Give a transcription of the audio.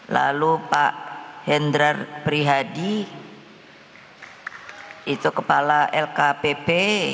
lalu pak hendrar prihadi itu kepala lkpp